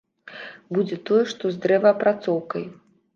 Будзе тое, што з дрэваапрацоўкай.